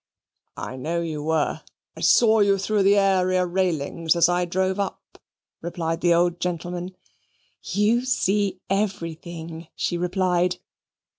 "I know you were, I saw you through the area railings as I drove up," replied the old gentleman. "You see everything," she replied.